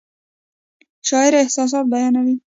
شاعر احساسات بیانوي